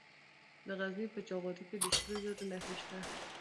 د غزني په جاغوري کې د سرو زرو نښې شته.